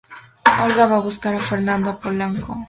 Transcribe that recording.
Olga va a buscar a Fernando a Polanco.